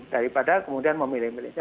daripada kemudian memilih milih